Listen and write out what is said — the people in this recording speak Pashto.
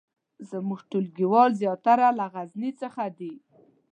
زمونږ ټولګیوال زیاتره له غزني څخه دي